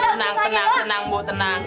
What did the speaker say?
nah tenang tenang tenang bu tenang